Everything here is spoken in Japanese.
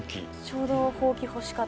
ちょうど。